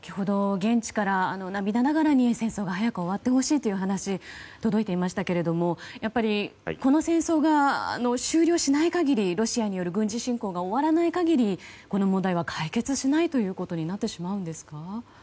現地から涙ながらに戦争が早く終わってほしいという話が届いていましたけれどもこの戦争が終了しない限りロシアによる軍事侵攻が終わらない限りこの問題は解決しないということになってしまうんですか？